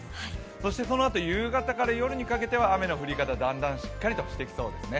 そして、そのあと夕方から夜に駆けては雨の降り方、だんだんとしっかりとしてきそうですね。